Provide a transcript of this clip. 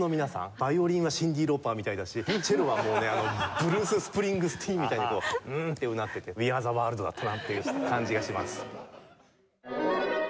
ヴァイオリンはシンディ・ローパーみたいだしチェロはもうねブルース・スプリングスティーンみたいに「ウウ」ってうなってて『ウィ・アー・ザ・ワールド』だったなっていう感じがします。